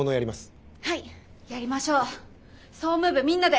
はいやりましょう総務部みんなで。